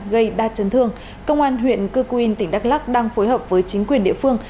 gây ba chấn thương công an huyện cư quyên tỉnh đắk lắc đang phối hợp với chính quyền địa phương